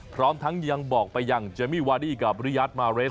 พร้อมทั้งยังบอกไปยังเจมมี่วาดี้กับริยัตมาเรน